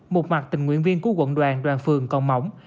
một mặt tình nguyện viên của quận đoàn phường còn mỏng